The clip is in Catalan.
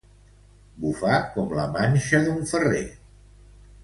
Bufar com la manxa d'un ferrer.